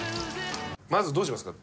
まずどうしますか？